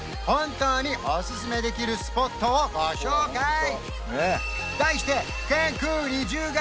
本当におすすめできるスポットをご紹介！